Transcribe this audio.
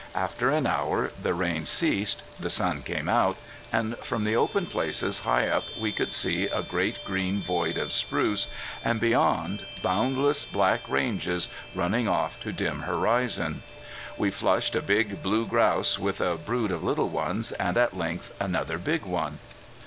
After an hour the rain ceased, the sun came out, and from the open places high up we could see a great green void of spruce, and beyond, boundless black ranges, running off to dim horizon. We flushed a big blue grouse with a brood of little ones, and at length another big one.